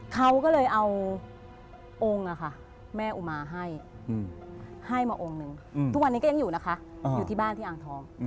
เขาก็เลยเอาองค์แม่อุมาให้ให้มาองค์หนึ่งทุกวันนี้ก็ยังอยู่นะคะอยู่ที่บ้านที่อ่างทอง